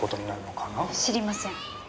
知りません。